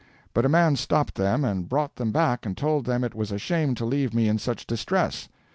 But a man stopped them and brought them back and told them it was a shame to leave me in such distress.